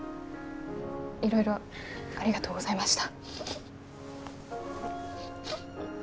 いろいろありがとうございました。